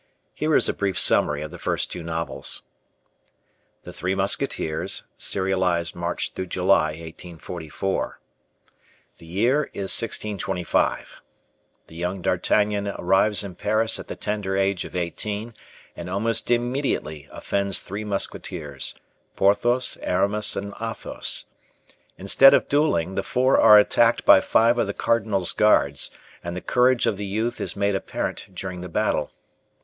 Here is a brief summary of the first two novels: The Three Musketeers (serialized March July, 1844): The year is 1625. The young D'Artagnan arrives in Paris at the tender age of 18, and almost immediately offends three musketeers, Porthos, Aramis, and Athos. Instead of dueling, the four are attacked by five of the Cardinal's guards, and the courage of the youth is made apparent during the battle.